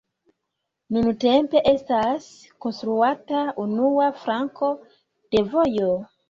Nuntempe estas konstruata unua flanko de vojo.